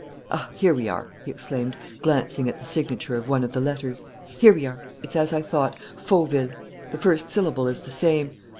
"Ah, here we are!" he exclaimed, glancing at the signature of one of the letters. "Here we are! It's as I thought: 'Fauville.' ... The first syllable is the same....